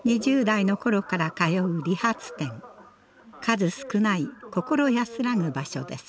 数少ない心安らぐ場所です。